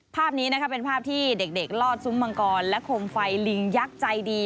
ภาพนี้นะคะเป็นภาพที่เด็กลอดซุ้มมังกรและโคมไฟลิงยักษ์ใจดี